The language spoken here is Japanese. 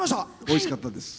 おいしかったです。